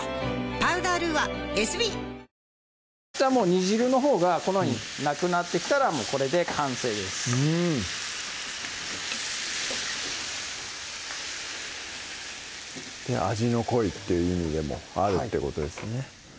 煮汁のほうがこのようになくなってきたらこれで完成ですうん味の濃いっていう意味でもあるってことですね